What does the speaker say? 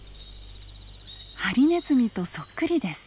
ハリネズミとそっくりです。